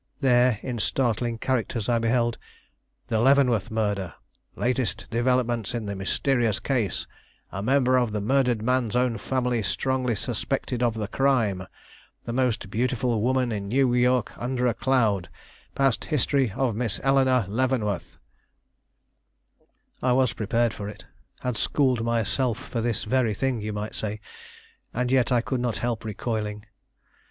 There, in startling characters, I beheld: THE LEAVENWORTH MURDER LATEST DEVELOPMENTS IN THE MYSTERIOUS CASE A MEMBER OF THE MURDERED MAN'S OWN FAMILY STRONGLY SUSPECTED OF THE CRIME THE MOST BEAUTIFUL WOMAN IN NEW YORK UNDER A CLOUD PAST HISTORY OF MISS ELEANORE LEAVENWORTH I was prepared for it; had schooled myself for this very thing, you might say; and yet I could not help recoiling.